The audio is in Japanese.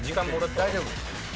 大丈夫。